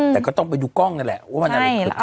แต่ก็ต้องไปดูกล้องนั่นแหละว่ามันอะไรคืออะไร